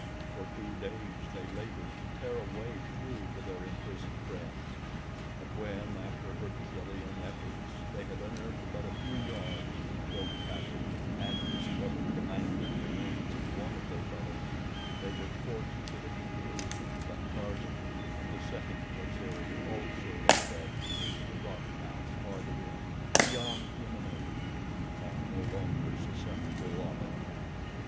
For two days they labored to tear a way through to their imprisoned friends; but when, after Herculean efforts, they had unearthed but a few yards of the choked passage, and discovered the mangled remains of one of their fellows they were forced to the conclusion that Tarzan and the second Waziri also lay dead beneath the rock mass farther in, beyond human aid, and no longer susceptible of it.